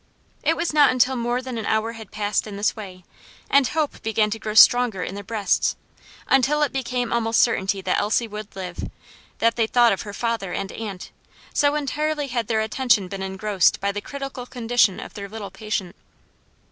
It was not until more than an hour had passed in this way, and hope began to grow stronger in their breasts, until it became almost certainty that Elsie would live, that they thought of her father and aunt, so entirely had their attention been engrossed by the critical condition of their little patient.